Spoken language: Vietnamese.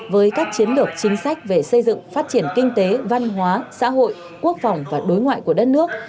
với các chiến lược chính sách về xây dựng phát triển kinh tế văn hóa xã hội quốc phòng và đối ngoại của đất nước